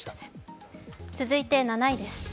続いて７位です。